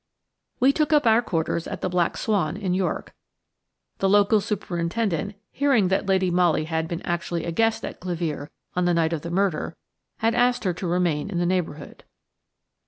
We took up our quarters at the "Black Swan," in York. The local superintendent, hearing that Lady Molly had been actually a guest at Clevere on the night of the murder, had asked her to remain in the neighbourhood.